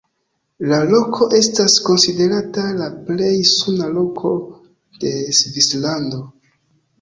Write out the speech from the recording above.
La loko estas konsiderata la plej suna loko de Svislando.